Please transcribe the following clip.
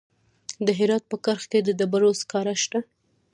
د هرات په کرخ کې د ډبرو سکاره شته.